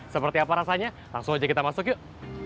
seperti apa rasanya langsung aja kita masuk yuk